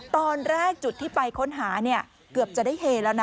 ตอนแรกจุดที่ไปค้นหาเนี่ยเกือบจะได้เฮแล้วนะ